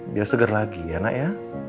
biar segar lagi ya nak ya